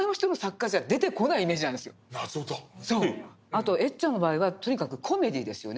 あとエッちゃんの場合はとにかくコメディーですよね。